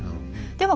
では